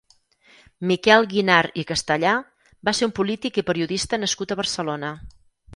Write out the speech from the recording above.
Miquel Guinart i Castellà va ser un polític i periodista nascut a Barcelona.